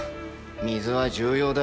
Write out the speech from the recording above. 水は重要だ。